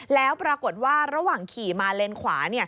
แล้วปรากฏว่าระหว่างขี่มาเลนขวา